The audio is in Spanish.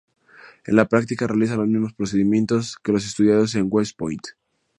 En la práctica realizan los mismos procedimientos que los estudiados en West point.